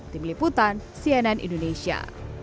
tim liputan cnn indonesia